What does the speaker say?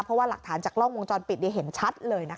เพราะว่าหลักฐานจากกล้องวงจรปิดเห็นชัดเลยนะคะ